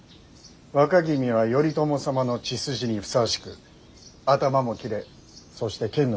若君は頼朝様の血筋にふさわしく頭も切れそして剣の腕も天下無双。